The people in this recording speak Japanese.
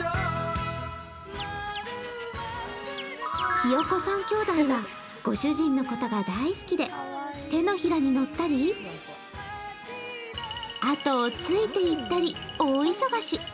ひよこ３兄弟はご主人のことが大好きで手のひらにのったり、後をついて行ったり、大忙し。